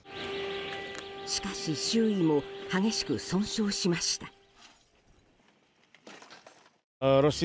しかし周囲も激しく損傷しました。